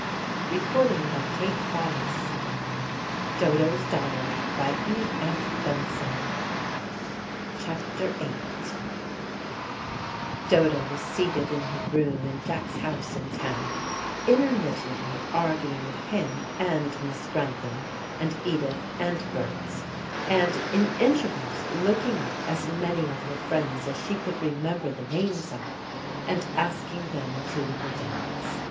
For it was not he whom she had sought to join there. CHAPTER VIII Dodo was seated in her room in Jack's house in town, intermittently arguing with him and Miss Grantham and Edith and Berts, and in intervals looking up as many of her friends as she could remember the names of and asking them to her dance.